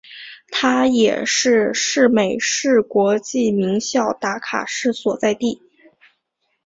它也是是美式国际名校达卡市所在地。